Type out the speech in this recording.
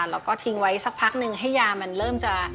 แล้วก็ทิ้งไว้สักพักนึงให้ยามันเริ่มจะ